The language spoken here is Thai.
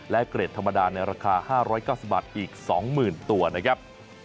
และเกรดธรรมดาในราคา๕๙๐บาทอีก๒๐๐๐ตัวนะครับ